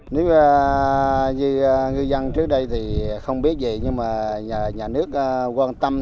nếu như ngư dân trước đây thì không biết gì nhưng mà nhà nước quan tâm